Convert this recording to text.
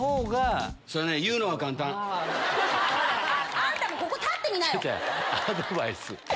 アドバイス！